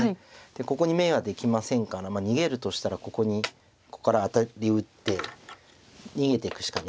でここに眼はできませんから逃げるとしたらここにここからアタリ打って逃げていくしかないんですけれども。